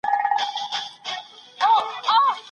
د صفت له اړخه هم طلاق دوه ډوله دی: سني او بدعي.